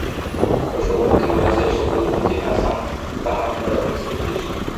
که ښوونکی واضح خبرې وکړي، ناسم فهم نه رامنځته کېږي.